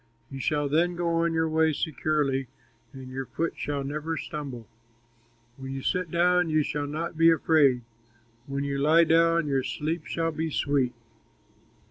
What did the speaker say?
You shall then go on your way securely, And your foot shall never stumble. When you sit down, you shall not be afraid, When you lie down, your sleep shall be sweet.